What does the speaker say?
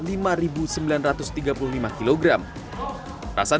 rasa dulu budi said menerima lima sembilan ratus tiga puluh lima kg